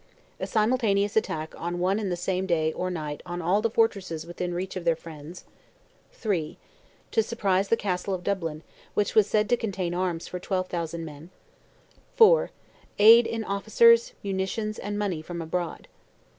A simultaneous attack on one and the same day or night on all the fortresses within reach of their friends. III. To surprise the Castle of Dublin, which was said to contain arms for 12,000 men. IV. Aid in officers, munitions, and money from abroad.